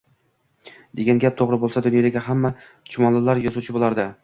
degan gap to’g’ri bo’lsa, dunyodagi hamma chumolilar yozuvchi bo’lardi!